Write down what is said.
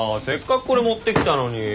せっかくこれ持ってきたのに。